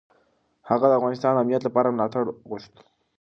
هغه د افغانستان د امنیت لپاره ملاتړ غوښت.